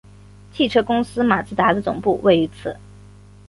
汽车公司马自达的总部位于此。